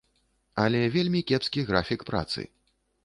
Але вельмі кепскі графік працы.